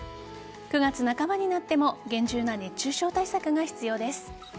９月半ばになっても厳重な熱中症対策が必要です。